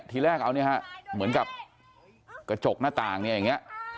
ทีแรกเอาเหมือนกับกระจกหน้าต่างอย่างนี้